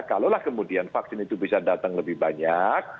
kalaulah kemudian vaksin itu bisa datang lebih banyak